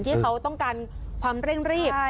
ที่เขาต้องการความเร่งรีบ